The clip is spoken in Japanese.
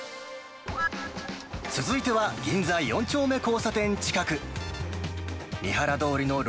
続いては、銀座４丁目交差点近く。